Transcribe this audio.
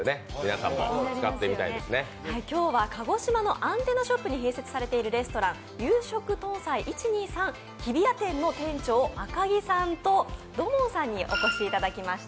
今日は鹿児島のアンテナショップに併設されているレストラン、遊食豚彩いちにぃさん、日比谷店の店長、赤木さんと土門さんにお越しいただきました。